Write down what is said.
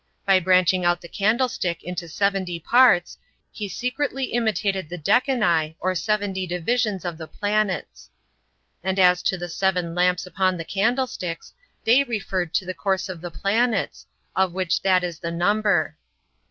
By branching out the candlestick into seventy parts, he secretly intimated the Decani, or seventy divisions of the planets; and as to the seven lamps upon the candlesticks, they referred to the course of the planets, of which that is the number.